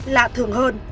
lạ thường hơn